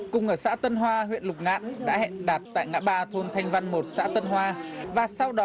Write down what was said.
cùng ở xã tân hoa huyện lục ngạn đã hẹn đạt tại ngã ba thôn thanh văn một xã tân hoa